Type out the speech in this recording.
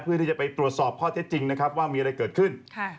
เพื่อที่จะไปตรวจสอบข้อเท็จจริงนะครับว่ามีอะไรเกิดขึ้น